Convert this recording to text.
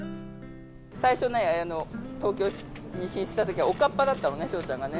最初ね、東京に進出したときは、おかっぱだったのね、笑ちゃんがね。